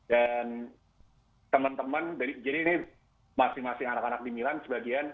dan teman teman jadi ini masing masing anak anak di milan sebagian